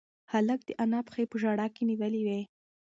هلک د انا پښې په ژړا کې نیولې وې.